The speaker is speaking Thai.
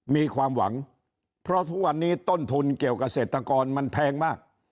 มีความหวังเพราะทุกวันนี้ต้นทุนเกี่ยวกับเกษตรกรมันแพงมาก